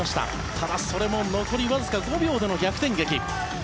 ただ、それも残りわずか５秒での逆転劇。